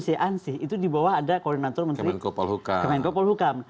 si an sih itu di bawah ada koordinator menteri kemenko polhukam